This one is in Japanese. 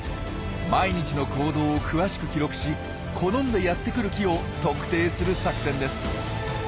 毎日の行動を詳しく記録し好んでやってくる木を特定する作戦です。